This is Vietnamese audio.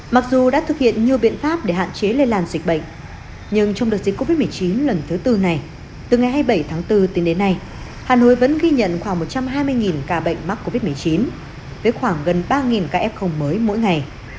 mặc dù đã thực hiện nhiều biện pháp để hạn chế lây lan dịch bệnh nhưng trong đợt dịch covid một mươi chín lần thứ tư này từ ngày hai mươi bảy tháng bốn tính đến nay hà nội vẫn ghi nhận khoảng một trăm hai mươi ca bệnh mắc covid một mươi chín với khoảng gần ba ca f mới mỗi ngày